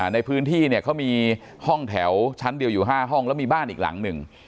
ในพื้นที่เนี่ยเขามีห้องแถวชั้นเดียวอยู่๕ห้องแล้วมีบ้านอีกหลังหนึ่ง